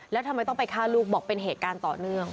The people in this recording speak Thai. แล้วทำไมต้องไปฆ่าลูกบอกเป็นเหตุการณ์ต่อเนื่อง